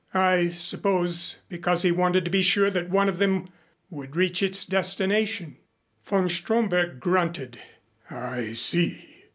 "I suppose because he wanted to be sure that one of them would reach its destination." Von Stromberg grunted. "I see.